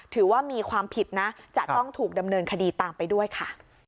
ถือว่ามีความผิดนะจะต้องถูกดำเนินคดีตามไปด้วยค่ะ